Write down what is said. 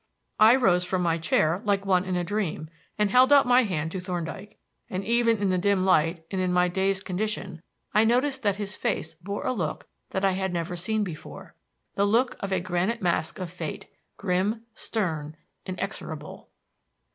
I rose from my chair like one in a dream and held out my hand to Thorndyke; and even in the dim light and in my dazed condition I noticed that his face bore a look that I had never seen before; the look of a granite mask of Fate grim, stern, inexorable.